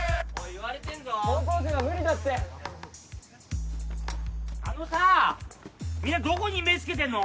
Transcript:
言われてんぞ・高校生は無理だってあのさみんなどこに目つけてんの？